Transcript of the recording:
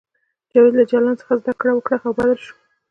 جاوید له جلان څخه زده کړه وکړه او بدل شو